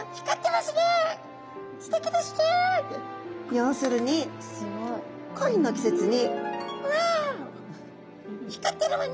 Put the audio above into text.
要するに恋の季節に「うわ光ってるわね」